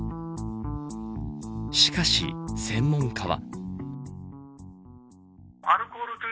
しかし、専門家は。